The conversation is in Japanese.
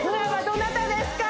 どなたですか？